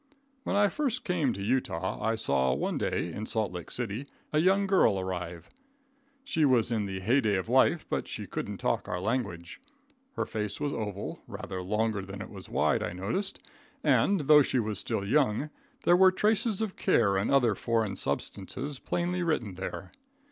When I first came to Utah, I saw one day, in Salt Lake City, a young girl arrive. She was in the heyday of life, but she couldn't talk our language. Her face was oval; rather longer than it was wide, I noticed, and, though she was still young, there were traces of care and other foreign substances plainly written there.